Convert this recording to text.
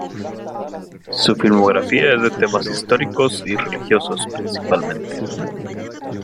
Su filmografía es de temas históricos y religiosos, principalmente.